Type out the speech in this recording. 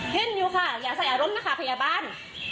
เห็นอยู่ค่ะอย่าใส่อารมณ์นะคะพยาบาล